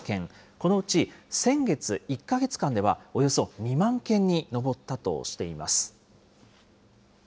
このうち先月１か月間ではおよそ２万件に上ったとしています。